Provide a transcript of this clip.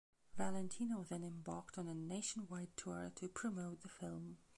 Valentino then embarked on a nationwide tour to promote the film.